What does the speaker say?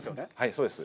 そうです。